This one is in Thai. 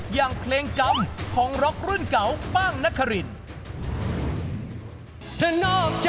อย่างเพลงกรรมของร็อกรุ่นเก่าป้างนครินทร์